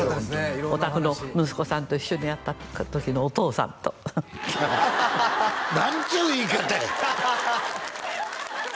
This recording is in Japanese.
お宅の息子さんと一緒にやった時のお父さんと何ちゅう言い方や！